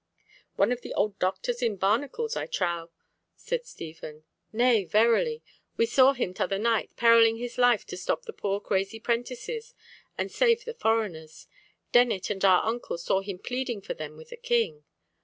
"One of thy old doctors in barnacles, I trow," said Stephen. "Nay, verily. We saw him t'other night perilling his life to stop the poor crazy prentices, and save the foreigners. Dennet and our uncle saw him pleading for them with the King."